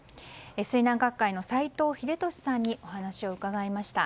水難学会の斎藤秀俊さんにお話を伺いました。